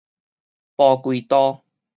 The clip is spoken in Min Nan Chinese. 蒲葵道